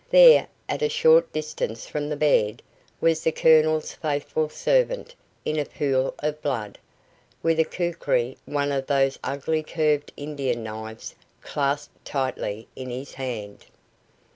There, at a short distance from the bed, was the Colonel's faithful servant, in a pool of blood, with a kukri one of those ugly curved Indian knives clasped tightly in his hand.